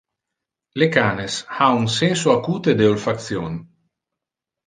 Le canes ha un senso acute de olfaction.